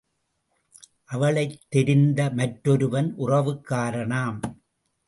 அவளைத் தெரிந்த மற்றொருவன் உறவுக்காரனாம்.